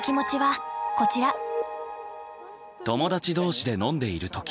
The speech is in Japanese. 友達同士で飲んでいる時。